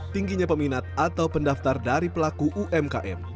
tingginya peminat atau pendaftar dari pelaku umkm